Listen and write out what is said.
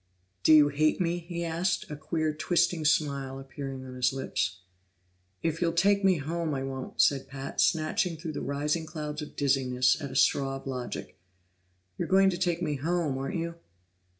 "Do you hate me?" he asked, a queer twisting smile appearing on his lips. "If you'll take me home I won't," said Pat, snatching through the rising clouds of dizziness at a straw of logic. "You're going to take me home, aren't you?"